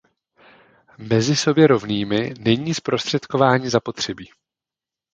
Mezi sobě rovnými není zprostředkování zapotřebí.